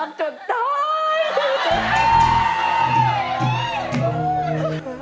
เป็นเรื่องราวของแม่นาคกับพี่ม่าครับ